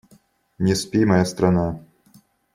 Не спи, моя страна!